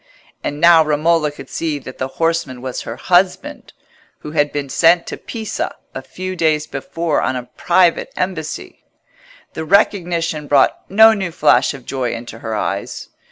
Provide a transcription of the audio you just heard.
And now Romola could see that the horseman was her husband, who had been sent to Pisa a few days before on a private embassy. The recognition brought no new flash of joy into her eyes.